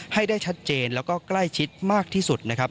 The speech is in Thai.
ให้ได้ชัดเจนและก็ใกล้ชิดมากที่สุด